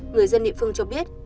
người dân địa phương cho biết